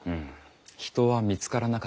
人は見つからなかった。